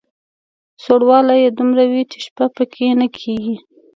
سوړوالی یې دومره وي چې شپه په کې نه کېږي.